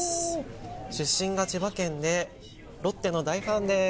出身が千葉県でロッテの大ファンです。